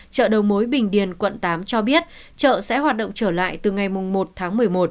chợ đầu mối bình điền quận tám cho biết chợ sẽ hoạt động trở lại từ ngày một tháng một mươi một